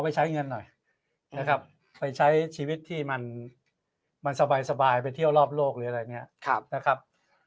ใช้เงินหน่อยนะครับไปใช้ชีวิตที่มันสบายไปเที่ยวรอบโลกหรืออะไรอย่างนี้นะครับ